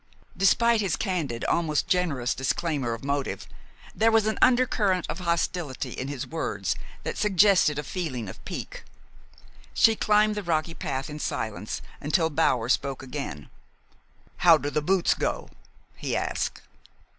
Despite his candid, almost generous, disclaimer of motive, there was an undercurrent of hostility in his words that suggested a feeling of pique. She climbed the rocky path in silence until Bower spoke again. "How do the boots go?" he asked.